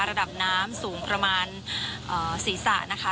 ระดับน้ำสูงประมาณศีรษะนะคะ